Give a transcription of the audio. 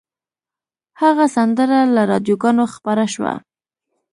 هغه سندره له راډیوګانو خپره شوه